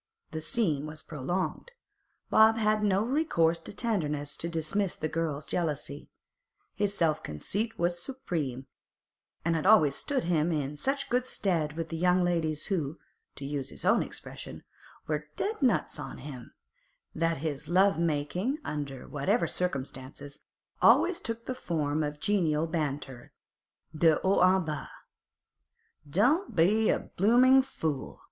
The scene was prolonged. Bob had no recourse to tenderness to dismiss the girl's jealousy. His self conceit was supreme, and had always stood him in such stead with the young ladies who, to use his own expression, were 'dead nuts on him,' that his love making, under whatever circumstances, always took the form of genial banter de haut en bas. 'Don't be a bloomin' fool!